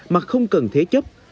mà không cần thế chấp